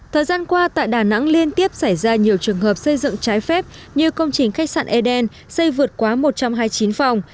thời gian qua tại đà nẵng liên tiếp xảy ra nhiều trường hợp xây dựng trái phép như công trình khách sạn eden xây vượt quá một trăm hai mươi chín phòng